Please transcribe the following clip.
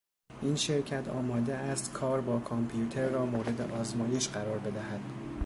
این شرکت آماده است کار با کامپیوتر را مورد آزمایش قرار بدهد.